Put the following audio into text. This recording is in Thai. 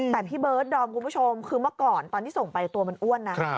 แต่พี่เบิร์ดดอมคุณผู้ชมคือเมื่อก่อนตอนที่ส่งไปตัวมันอ้วนนะ